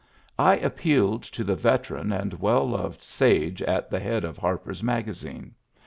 I appealed to the veteran and well loved sage at the head of Harper's Magazine.